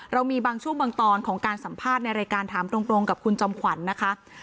เรามีบางช่วงบางตอนของการสัมภาษณ์ในรายการถามตรงกับคุณจอมขวัญนะคะ